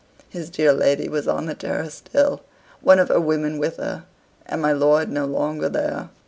His dear lady was on the terrace still, one of her women with her, and my lord no longer there.